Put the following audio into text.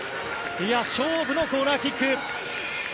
勝負のコーナーキック。